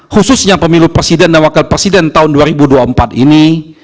khususnya pemilu presiden dan wakil presiden tahun dua ribu dua puluh empat ini